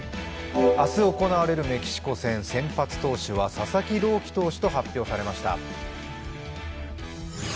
明日行われるメキシコ戦、先発投手は佐々木朗希選手と発表されました。